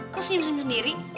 kok senyum senyum sendiri